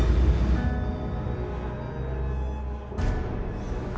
kita udah kecelakaan orang